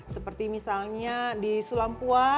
seperti misalnya di sulampua